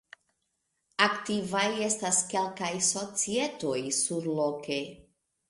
Aktivaj estas kelkaj societoj surloke.